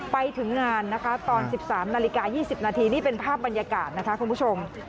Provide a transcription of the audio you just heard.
ไปถึงงานนะคะตอน๑๓นาฬิกา๒๐นาทีนี่เป็นภาพบรรยากาศนะคะคุณผู้ชม